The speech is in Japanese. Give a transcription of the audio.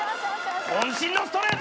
渾身のストレート！